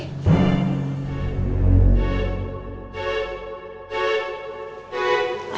aku mau ke rumah